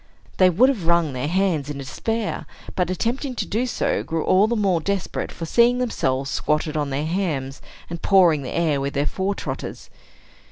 They would have wrung their hands in despair, but, attempting to do so, grew all the more desperate for seeing themselves squatted on their hams, and pawing the air with their fore trotters.